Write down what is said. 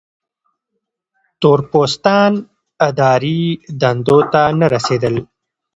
تور پوستان اداري دندو ته نه رسېدل.